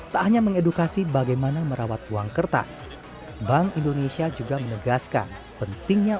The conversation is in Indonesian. tak hanya mengedukasi bagaimana merawat uang kertas bank indonesia juga menegaskan pentingnya